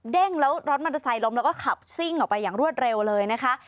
แล้วรถมอเตอร์ไซค์ล้มแล้วก็ขับซิ่งออกไปอย่างรวดเร็วเลยนะคะ